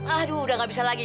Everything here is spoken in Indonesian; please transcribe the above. aduh udah gak bisa lagi